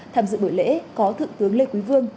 tham dự buổi lễ có thượng tướng lê quý vương